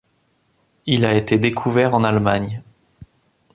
Il a été découvert en Allemagne.